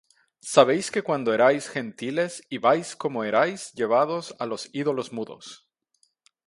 Sabéis que cuando erais Gentiles, ibais, como erais llevados, a los ídolos mudos.